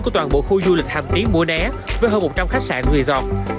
của toàn bộ khu du lịch hàm tiến mũi né với hơn một trăm linh khách sạn resort